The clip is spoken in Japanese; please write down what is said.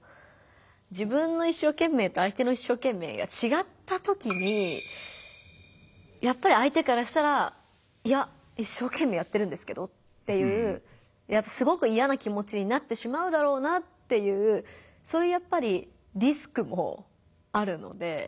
自分の一生懸命と相手の一生懸命がちがったときにやっぱり相手からしたら「いや一生懸命やってるんですけど」っていうすごく嫌な気持ちになってしまうだろうなっていうそういうやっぱりリスクもあるので。